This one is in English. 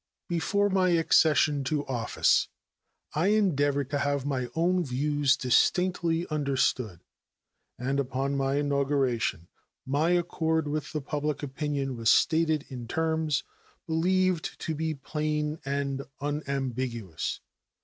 Before my accession to office I endeavored to have my own views distinctly understood, and upon my inauguration my accord with the public opinion was stated in terms believed to be plain and unambiguous.